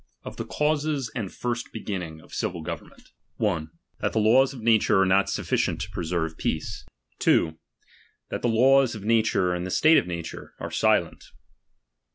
r OF THE CAUSES AND FIRST BEGINNISO OF CIVIL GOVERNMENT. I< That the Isws of Dature are not sufficient to presierve peace. £. That the laws of nature, in the slate of nature, are silent.